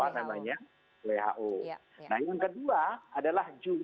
nah yang kedua adalah